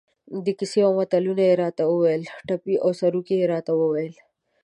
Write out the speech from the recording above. کیسې او متلونه یې را ته ویل، ټپې او سروکي یې را ته ویل.